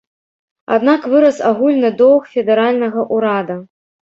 Аднак вырас агульны доўг федэральнага ўрада.